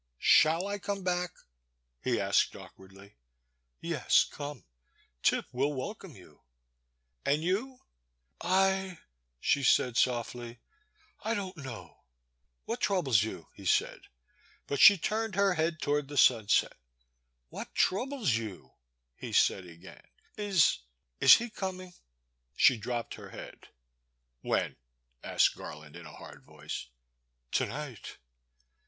Shall I come back ?he asked awkwardly. Yes — come ; Tip will welcome you And you? '* I,*'— she said sofUy— I don*t know. What troubles you? he said; but she turned her head toward the sunset. What troubles you? he said again; — is — ^is he coming? She dropped her head. When ?asked Garland in a hard voice. "To night.